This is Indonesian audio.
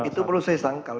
itu perlu saya sangkal